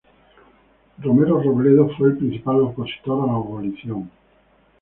Romero Robledo fue el principal opositor a la abolición.